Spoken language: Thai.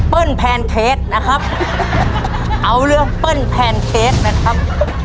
แพนเค้กนะครับเอาเรื่องเปิ้ลแพนเค้กนะครับ